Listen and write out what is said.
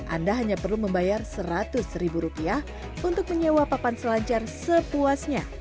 anda hanya perlu membayar seratus ribu rupiah untuk menyewa papan selancar sepuasnya